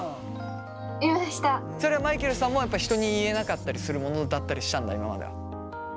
それはマイケルさんもやっぱ人に言えなかったりするものだったりしたんだ今までは。